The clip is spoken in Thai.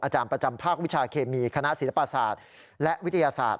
อาจารย์ประจำภาควิชาเคมีคณะศิลปศาสตร์และวิทยาศาสตร์